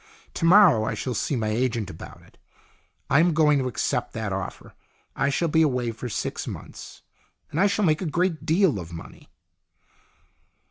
To morrow I shall see my agent about it. I am going to accept that offer. I shall be away for six 144 STORIES IN GREY months, and I shall make a great deal of money."